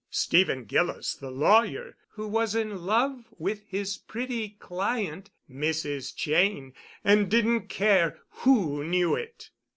Stephen Gillis, the lawyer, who was in love with his pretty client, Mrs. Cheyne, and didn't care who knew it.